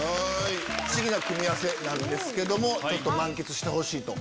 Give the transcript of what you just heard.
不思議な組み合わせなんですけども満喫してほしいと。